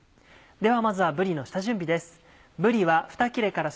ではまずはぶりの下準備です。